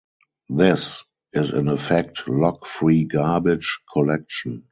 This is in effect lock-free garbage collection.